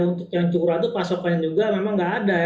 untuk yang curah itu pasokannya juga memang enggak ada